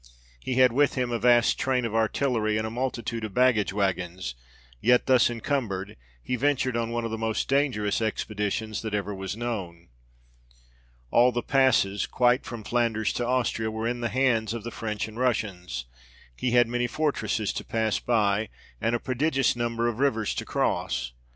He had with him a vast train of artillery, and a multitude of baggage waggons, yet, thus incumbered, he ventured on one of the most dangerous expeditions that ever was known. All the passes, quite from Flanders to Austria, were in the hands of the French and Russians : he had many fortresses to pass by ; and a prodigious number of rivers to cross.